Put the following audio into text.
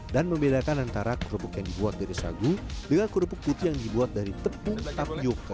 dan membedakan antara kerupuk yang dibuat dari sagu dengan kerupuk putih yang dibuat dari tepung tapioca